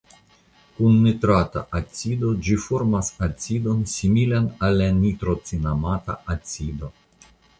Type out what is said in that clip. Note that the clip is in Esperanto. Kun nitrata acido ĝi formas acidon similan al la nitrocinamata acido.